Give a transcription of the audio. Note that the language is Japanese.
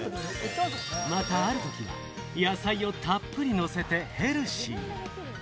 またある時は野菜をたっぷりのせてヘルシーに。